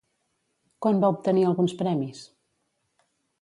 Quan va obtenir alguns premis?